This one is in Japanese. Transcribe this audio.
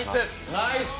ナイス！